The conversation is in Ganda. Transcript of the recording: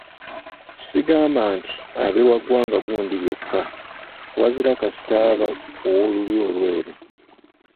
Sigamba nti abe wa ggwanga gundi lyokka, wazira kasita aba ow'olulyo olweru.